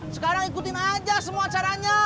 sekarang ikutin aja semua caranya